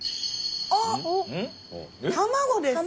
あっ卵です。